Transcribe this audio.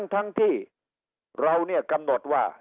ทั้งที่เรากำหนดว่า